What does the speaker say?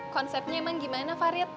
konsepnya emang gimana farid